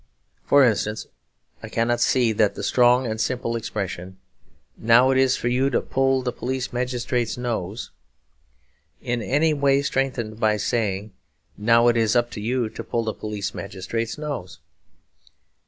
For instance, I cannot see that the strong and simple expression 'Now it is for you to pull the police magistrate's nose' is in any way strengthened by saying, 'Now it is up to you to pull the police magistrate's nose.'